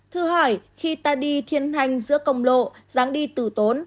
thưa hỏi khi ta đi thiên hành giữa công lộ dáng đi tử tốn